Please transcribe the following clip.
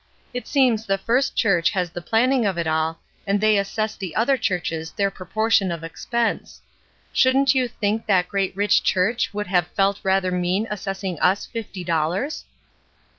It seems the First Church has the planning of it all, and they assess the other churches their proportion of expense. Shouldn't you think that great rich church would have felt rather mean assessing us fifty dollars?"